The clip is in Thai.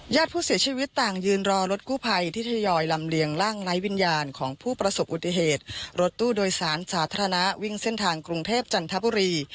ญาติผู้เสียชีวิตต่างยืนรอรถกู้ภัยที่ทยอยลำเลียงร่างไร้วิญญาณของผู้ประสบอุบัติเหตุรถตู้โดยสารสาธารณะวิ่งเส้นทางกรุงเทพจันทบุรี